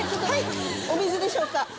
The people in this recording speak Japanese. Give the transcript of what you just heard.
はいお水でしょうか？